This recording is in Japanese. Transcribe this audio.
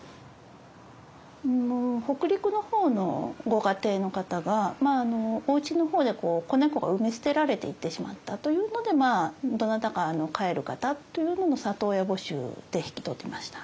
北陸の方のご家庭の方がおうちの方で子猫が産み捨てられていってしまったというのでまあどなたか飼える方という里親募集で引き取りました。